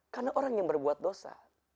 karena orang yang berbuat dosa